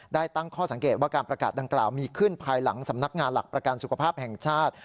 ตั้งข้อสังเกตว่าการประกาศดังกล่าวมีขึ้นภายหลังสำนักงานหลักประกันสุขภาพแห่งชาติ